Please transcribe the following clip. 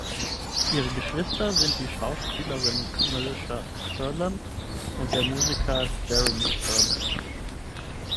Ihre Geschwister sind die Schauspielerin Marisha Ferland und der Musiker Jeremy Ferland.